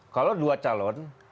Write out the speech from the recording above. kalau dua calon